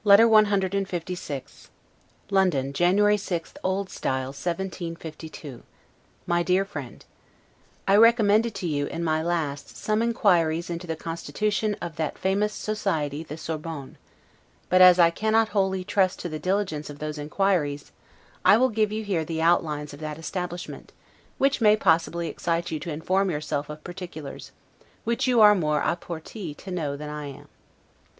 Pray make my compliments to Lady Brown. LETTER CLVI LONDON, January 6, O. S. 1752. MY DEAR FRIEND I recommended to you, in my last, some inquiries into the constitution of that famous society the Sorbonne; but as I cannot wholly trust to the diligence of those inquiries, I will give you here the outlines of that establishment; which may possibly excite you to inform yourself of particulars, which you are more 'a portee' to know than I am.